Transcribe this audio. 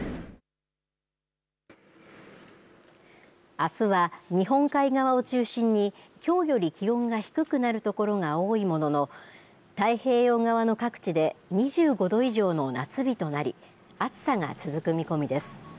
あすは日本海側を中心にきょうより気温が低くなる所が多いものの太平洋側の各地で２５度以上の夏日となり暑さが続く見込みです。